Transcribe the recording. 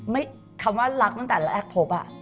ไม่คำว่ารักตั้งแต่และแอ๊บโพบ